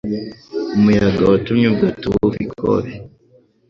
Umuyaga watumye ubwato buva i Kobe.